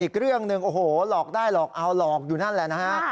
อีกเรื่องหนึ่งโอ้โหหลอกได้หลอกเอาหลอกอยู่นั่นแหละนะฮะ